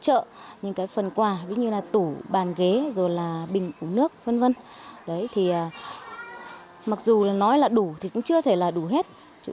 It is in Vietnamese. trong ngày hôm nay mặc dù đã được các đồng chí bên báo nhân dân hỗ trợ những phần quà như tủ bàn ghế bình ủ nước mặc dù nói là đủ thì cũng chưa thể là đủ hết